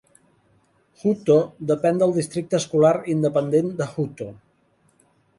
Hutto depèn del districte escolar independent de Hutto.